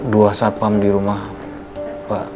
dua satpam di rumah pak